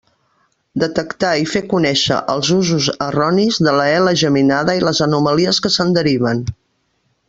Detectar i fer conèixer els usos erronis de la ela geminada i les anomalies que se'n deriven.